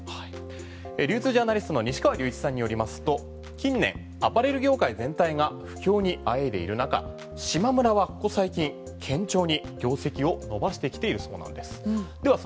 流通ジャーナリストの西川立一さんによりますと近年アパレル業界全体が苦境に喘いでいる中しまむらはここ最近順調に業績を伸ばしてきているそうです。